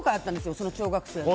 その小学校の。